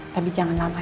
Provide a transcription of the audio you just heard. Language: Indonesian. tapi jangan lama ya